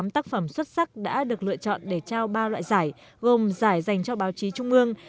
ba mươi tám tác phẩm xuất sắc đã được lựa chọn để trao ba loại giải gồm giải dành cho báo chí trung mương